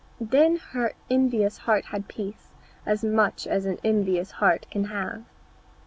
Then her envious heart had peace, as much as an envious heart can have.